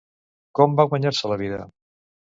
Com va guanyar-se la vida?